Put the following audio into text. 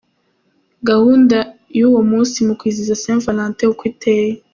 Gahunda y’uwo munsi mu kwizihiza St Valentin uko iteye: .